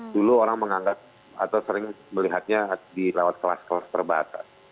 dulu orang menganggap atau sering melihatnya di lewat kelas kelas terbatas